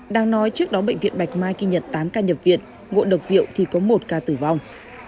đang nói trước đó bệnh viện bạch mai ghi nhận tám ca nhập viện ngộ độc rượu thì có một ca tử vong